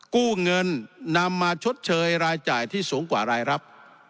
กู้เงินนำมาชดเชยรายจ่ายที่สูงกว่ารายรับ